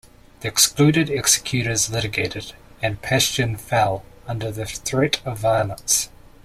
The excluded executors litigated, and Paston fell under the threat of violence.